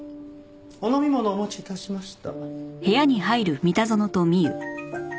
お飲み物をお持ち致しました。